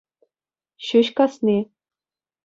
Ҫӳҫ касни.